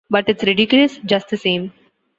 But it’s ridiculous just the same.